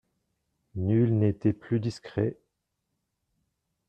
Nul n'était plus discret.